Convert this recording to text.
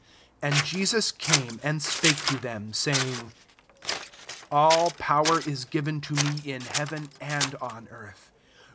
18 And Jesus came, and spake to them, saying, "All power is given to me in heaven and on earth.